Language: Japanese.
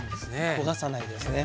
焦がさないですね。